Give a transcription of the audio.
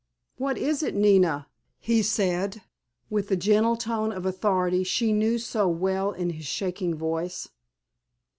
"What is it, Nina?" he said, with the gentle tone of authority she knew so well in his shaking voice.